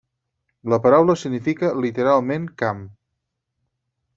La paraula significa literalment 'camp'.